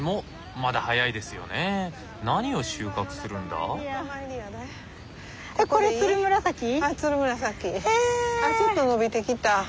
あっちょっと伸びてきた。